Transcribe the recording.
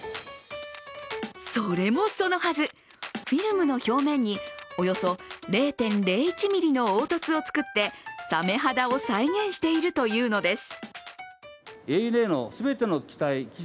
それもそのはず、フィルムの表面におよそ０．０１ｍｍの凹凸を作ってサメ肌を再現しているというのです。